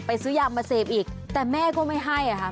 ซื้อยามาเสพอีกแต่แม่ก็ไม่ให้ค่ะ